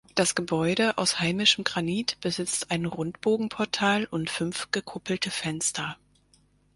Das Gebäude aus heimischem Granit besitzt ein Rundbogenportal und fünf gekuppelte Fenster.